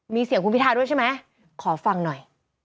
มีเสียงคุณพิทาด้วยใช่ไหมขอฟังหน่อย